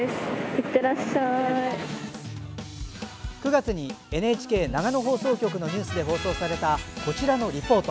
９月にＮＨＫ長野放送局のニュースで放送されたこちらのリポート。